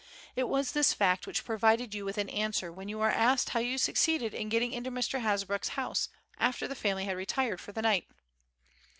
It was this fact which provided you with an answer when you were asked how you succeeded in getting into Mr. Hasbrouck's house after the family had retired for the night.